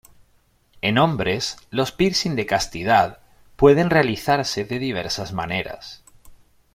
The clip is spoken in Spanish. En hombres, los piercing de castidad, pueden realizarse de diversas maneras.